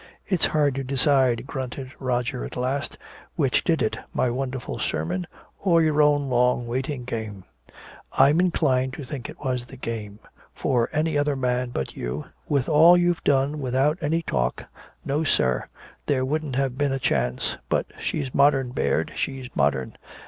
"It's hard to decide," grunted Roger at last. "Which did it my wonderful sermon or your own long waiting game? I'm inclined to think it was the game. For any other man but you with all you've done, without any talk no, sir, there wouldn't have been a chance. For she's modern, Baird, she's modern.